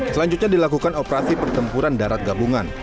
selanjutnya dilakukan operasi pertempuran darat gabungan